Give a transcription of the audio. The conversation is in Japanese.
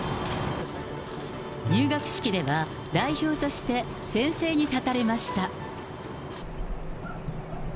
入学式では、代表として、宣誓に立たれました。